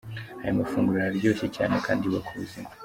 Aya mafunguro araryoshye cyane kandi yubaka ubuzima.